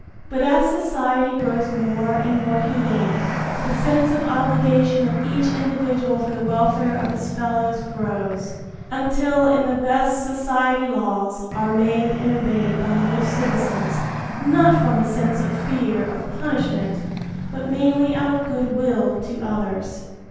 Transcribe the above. But as society grows more and more humane the sense of obligation of each individual for the welfare of his fellows grows, until in the best society laws are made and obeyed by most citizens, not from a sense of fear of punishment, but mainly out of goodwill to others.